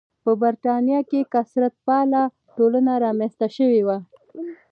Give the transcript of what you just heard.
په برېټانیا کې کثرت پاله ټولنه رامنځته شوې وه.